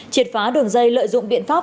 triệt phá đường dây lợi dụng biện pháp